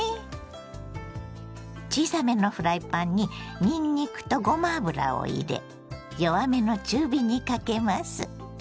小さめのフライパンににんにくとごま油を入れ弱めの中火にかけます。